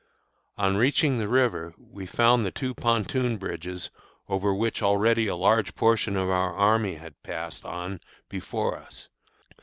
On reaching the river we found the two pontoon bridges over which already a large portion of our army had passed on before us.